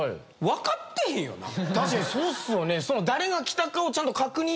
分かってへんよな。